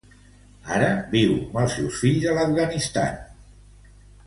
Ara, viu amb els seus fills a l'Afganistan.